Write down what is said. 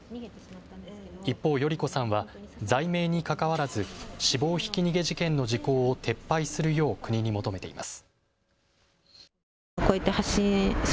一方、代里子さんは罪名にかかわらず死亡ひき逃げ事件の時効を撤廃するよう国に求めています。